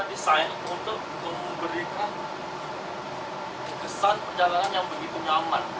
desain untuk memberikan kesan perjalanan yang begitu nyaman